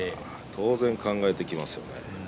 当然、考えてきますよね。